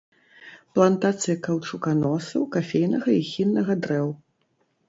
Плантацыі каўчуканосаў, кафейнага і хіннага дрэў.